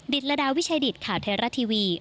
ตรดาวิชัยดิตข่าวไทยรัฐทีวี